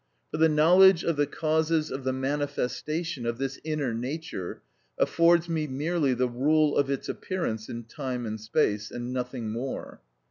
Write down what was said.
For the knowledge of the causes of the manifestation of this inner nature affords me merely the rule of its appearance in time and space, and nothing more.